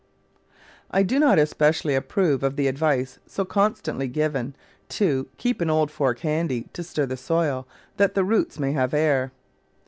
I do not especially approve of the advice so con stantly given to "keep an old fork handy to stir the soil, that the roots may have air."